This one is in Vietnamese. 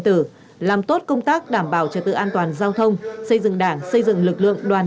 tử làm tốt công tác đảm bảo trật tự an toàn giao thông xây dựng đảng xây dựng lực lượng đoàn